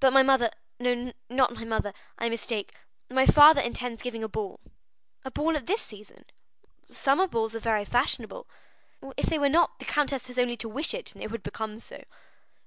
But my mother—no, not my mother; I mistake—my father intends giving a ball." "A ball at this season?" "Summer balls are fashionable." "If they were not, the countess has only to wish it, and they would become so."